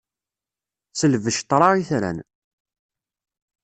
Selbec ṭṭṛa itran.